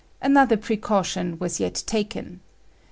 Another precaution was yet taken.